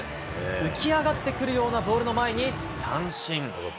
浮き上がってくるようなボールの前に三振。